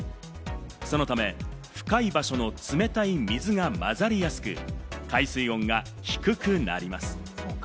そのため深い場所の冷たい水が混ざりやすく、海水温が低くなります。